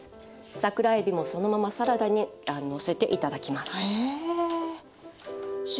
桜えびもそのままサラダにのせて頂きます。